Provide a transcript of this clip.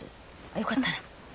よかったら。